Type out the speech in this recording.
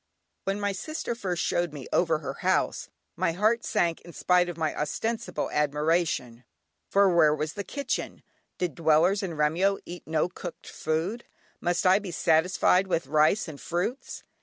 When my sister first showed me over her house, my heart sank in spite of my ostensible admiration, for where was the kitchen? Did dwellers in Remyo eat no cooked food; must I be satisfied with rice and fruits?